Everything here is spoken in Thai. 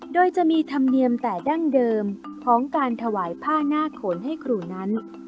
โดยจะมีธรรมเนียมแต่ดั้งเดิมของการถวายผ้าหน้าโขนให้ครูนั้น